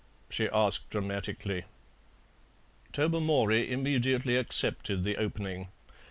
she asked dramatically. Tobermory immediately accepted the opening.